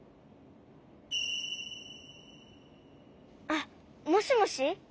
あっもしもし？